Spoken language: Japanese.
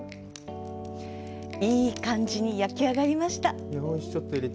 いい感じに焼き上がりました。